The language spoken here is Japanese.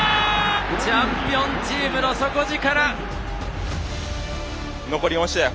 チャンピオンチームの底力。